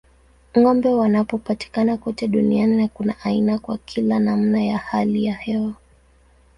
Ng'ombe wanapatikana kote duniani na kuna aina kwa kila namna ya hali ya hewa.